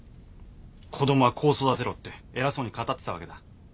子供はこう育てろって偉そうに語ってたわけだ。